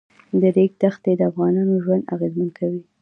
د ریګ دښتې د افغانانو ژوند اغېزمن کوي.